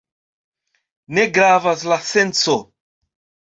Ne gravas la senco.